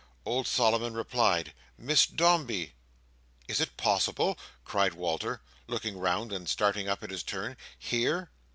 Old Solomon replied, "Miss Dombey!" "Is it possible?" cried Walter, looking round and starting up in his turn. "Here!"